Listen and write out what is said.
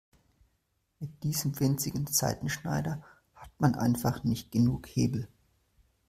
Mit diesem winzigen Seitenschneider hat man einfach nicht genug Hebel.